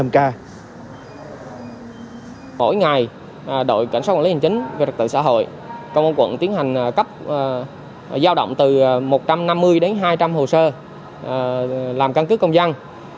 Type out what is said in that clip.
mỗi ngày đội cảnh sát quản lý hành chính về trật tự xã hội công an quận tiến hành cấp giao động từ một trăm năm mươi đến hai trăm linh hồ sơ làm căn cứ công dân